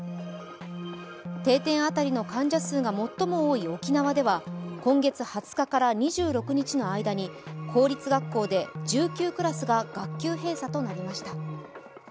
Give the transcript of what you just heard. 定点当たりの患者数が最も多い沖縄では今月２０日から２６日の間に公立学校で１９クラスが学級閉鎖となりました。